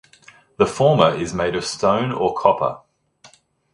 The former is made of stone or copper.